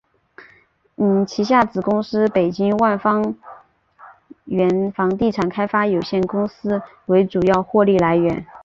旗下子公司北京万方源房地产开发有限公司为主要获利来源。